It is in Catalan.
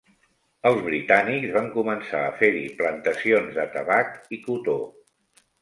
Els britànics van començar a fer-hi plantacions de tabac i cotó.